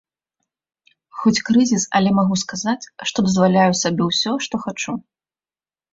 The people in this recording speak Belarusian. Хоць крызіс, але магу сказаць, што дазваляю сабе ўсё, што хачу.